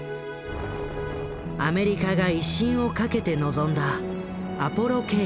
アメリカが威信をかけて臨んだ「アポロ計画」。